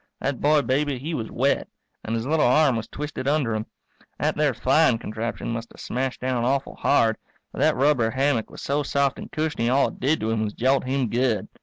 That boy baby, he was wet, and his little arm was twisted under him. That there flying contraption must have smashed down awful hard, but that rubber hammock was so soft and cushiony all it did to him was jolt him good.